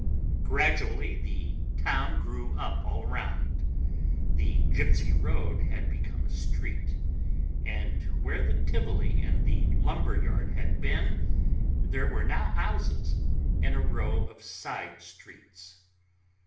Gradually the town grew up all around. The Gypsy Road had become a street, and where the Tivoli and the lumber yard had been, there were now houses and a row of side streets.